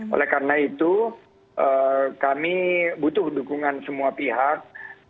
oleh karena itu kami butuh dukungan semua pihak